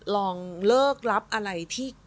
ลองเลิกรับอะไรที่